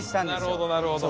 なるほどなるほど。